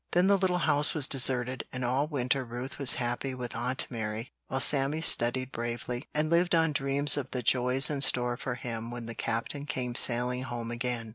Then the little house was deserted, and all winter Ruth was happy with Aunt Mary, while Sammy studied bravely, and lived on dreams of the joys in store for him when the Captain came sailing home again.